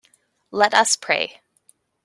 Let us pray.